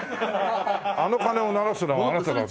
「あの鐘を鳴らすのはあなた」だって。